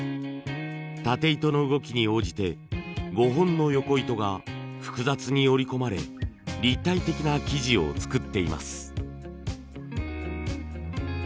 タテ糸の動きに応じて５本のヨコ糸が複雑に織り込まれ立体的な生地を作っています。